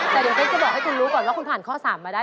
แต่เดี๋ยวเป๊กจะบอกให้คุณรู้ก่อนว่าคุณผ่านข้อ๓มาได้